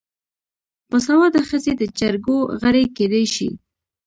باسواده ښځې د جرګو غړې کیدی شي.